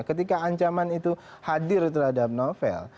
ketika ancaman itu hadir terhadap novel